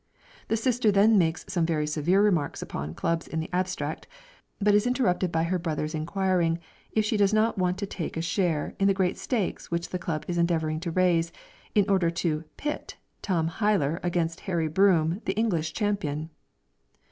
The sister then makes some very severe remarks upon clubs in the abstract, but is interrupted by her brother's inquiring if she does not want to take a share in the great stakes which the club is endeavouring to raise, in order to pit Tom Hyer against Harry Broome the English champion.